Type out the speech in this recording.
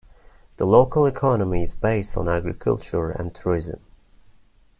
The local economy is based on agriculture and tourism.